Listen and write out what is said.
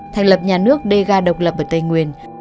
thành lập nhà nước dega độc lập ở tây nguyên